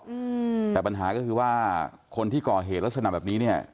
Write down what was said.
อืมแต่ปัญหาก็คือว่าคนที่ก่อเหตุลักษณะแบบนี้เนี้ย